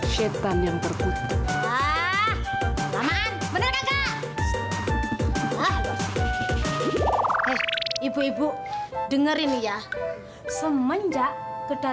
sampai jumpa di video selanjutnya